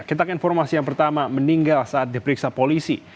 kita ke informasi yang pertama meninggal saat diperiksa polisi